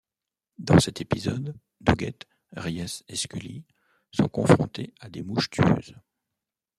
Dans cet épisode, Doggett, Reyes et Scully sont confrontés à des mouches tueuses.